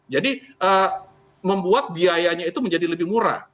jadi membuat biayanya itu menjadi lebih murah